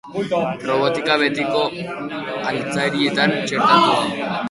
Robotika betiko altzarietan txertatua.